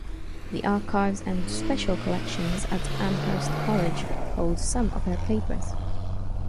The Archives and Special Collections at Amherst College holds some of her papers.